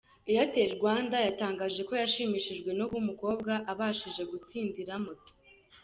Airtel Rwanda yatangaje ko yashimishijwe no kuba umukobwa abashije gutsindira Moto.